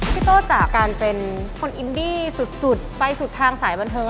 โต้จากการเป็นคนอินดี้สุดไปสุดทางสายบันเทิง